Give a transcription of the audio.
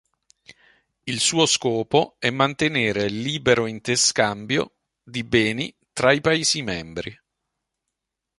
Il suo scopo è mantenere il libero interscambio di beni tra i paesi membri.